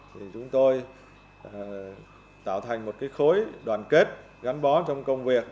thì chúng tôi tạo thành một khối đoàn kết gắn bó trong công việc